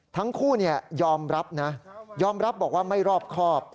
ทั้งคู่ยอมรับนะยอมรับบอกว่าไม่รอบครอบ